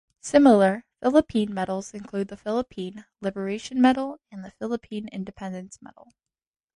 Similar Philippine medals include the Philippine Liberation Medal and the Philippine Independence Medal.